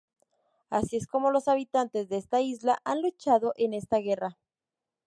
Así es como los habitantes de esta isla han luchado en esta guerra.